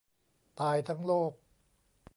ตายทั้งโลก